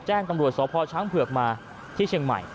แจ้งตำรวจสพช้างเผือกมาที่เชียงใหม่